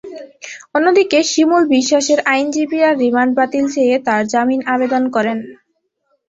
অন্যদিকে শিমুল বিশ্বাসের আইনজীবীরা রিমান্ড বাতিল চেয়ে তাঁর জামিন আবেদন করেন।